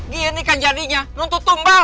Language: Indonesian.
gini kan jadinya nuntut tumbang